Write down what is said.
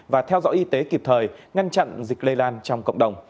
và theo dõi y tế kịp thời ngăn chặn dịch lây lan trong cộng đồng